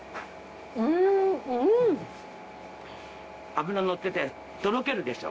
脂のっててとろけるでしょ。